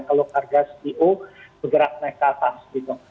kalau harga cpo bergerak naik ke atas gitu